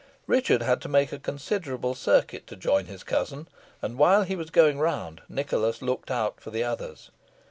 Richard had to make a considerable circuit to join his cousin, and, while he was going round, Nicholas looked out for the others.